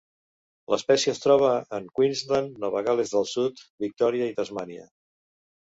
L'espècie es troba en Queensland, Nova Gal·les del Sud, Victòria i Tasmània.